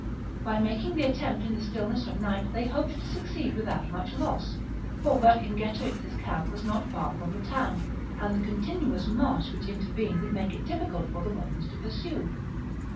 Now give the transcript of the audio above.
By making the attempt in the stillness of night they hoped to succeed without much loss ; for Vercingetorix's camp was not far from the town, and the continuous marsh which intervened would make it difficult for the Romans to pursue.